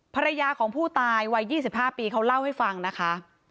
ภรรยาของผู้ตายวัย๒๕ปีเขาเล่าให้ฟังนะคะ